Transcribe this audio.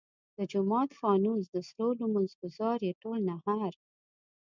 د جومات فانوس د سرو لمونځ ګزار ئې ټول نهر !